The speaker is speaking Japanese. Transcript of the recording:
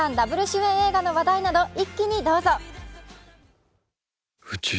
Ｗ主演の映画など一気にどうぞ。